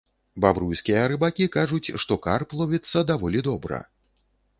Бабруйскія рыбакі кажуць, што карп ловіцца даволі добра.